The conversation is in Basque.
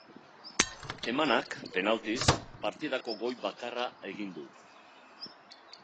Emanak, penaltiz, partidako gol bakarra egin du.